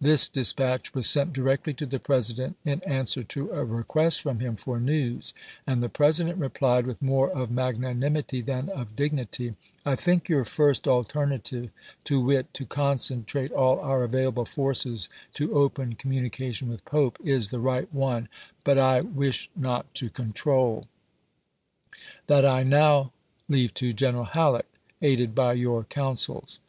This dispatch was sent directly to the President in answer to a request from him for news, and the President replied, with more of magnanimity than of dignity : "I think your first alternative, to wit, ' to concentrate all our available forces to open communication with Pope,' is the right one, but I wish not to control. That I now leave to General Halleck, aided by your counsels."